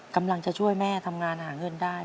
กำลังจะช่วยแม่ทำงานหาเงินได้